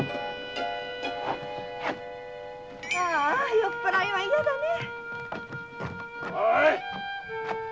酔っ払いは嫌だねえ。